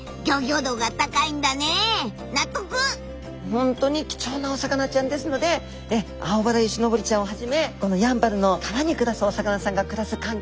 本当に貴重なお魚ちゃんですのでアオバラヨシノボリちゃんをはじめこのやんばるの川に暮らすお魚さんが暮らす環境